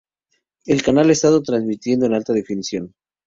El canal ha estado transmitiendo en alta definición.